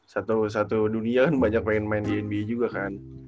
satu satu dunia kan banyak pengen main di nba juga kan